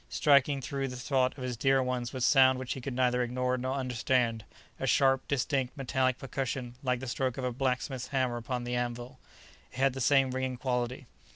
Striking through the thought of his dear ones was sound which he could neither ignore nor understand, a sharp, distinct, metallic percussion like the stroke of a blacksmith's hammer upon the anvil; it had the same ringing quality.